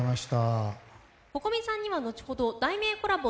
Ｃｏｃｏｍｉさんには後ほど「題名」コラボ